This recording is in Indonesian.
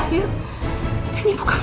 burana sudah hai forefront